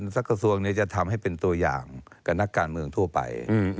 กระทรวงนี้จะทำให้เป็นตัวอย่างกับนักการเมืองทั่วไป